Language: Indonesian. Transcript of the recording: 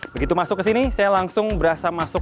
begitu masuk ke sini saya langsung berasa masuk